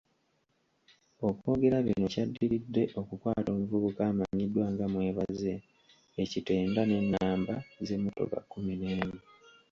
Okwogera bino kyadiridde okukwata omuvubuka amanyiddwa nga Mwebaze e Kitenda ne namba z'emmotoka kumi n'emu.